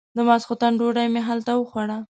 د ماسختن ډوډۍ مې هلته وخوړه.